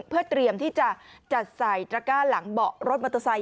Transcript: เพื่อเตรียมที่จะจัดใส่ตระก้าหลังเบาะรถมอเตอร์ไซค